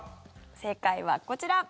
正解はこちら。